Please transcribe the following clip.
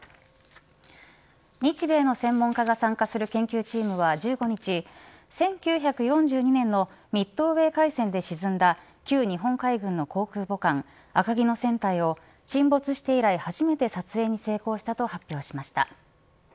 日米の専門家が参加する研究チームは１５日１９４２年のミッドウェー海戦で沈んだ旧日本海軍の航空母艦赤城の船体を沈没して以来、初めて撮影に成功したと発表しました。